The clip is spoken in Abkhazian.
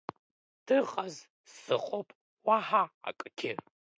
Дыҟаз, сыҟоуп, уаҳа акгьы.